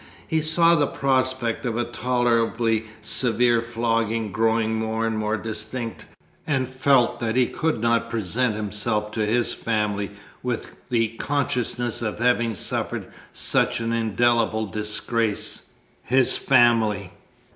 He saw the prospect of a tolerably severe flogging growing more and more distinct, and felt that he could not present himself to his family with the consciousness of having suffered such an indelible disgrace. His family!